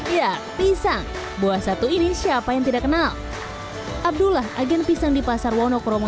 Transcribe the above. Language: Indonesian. ya pisang buah satu ini siapa yang tidak kenal abdullah agen pisang di pasar wonokromo